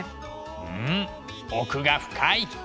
うん奥が深い！